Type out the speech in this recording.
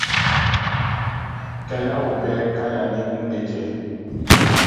Kɛlɛw bɛ Kaya ni Houndé cɛ.